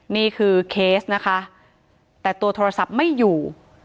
นี่คือเคสนะคะแต่ตัวโทรศัพท์ไม่อยู่